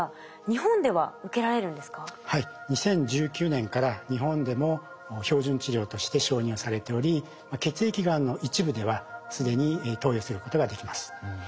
２０１９年から日本でも標準治療として承認はされており血液がんの一部では既に投与することができます。